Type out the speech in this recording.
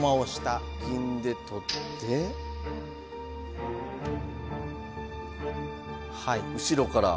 銀で取って後ろから。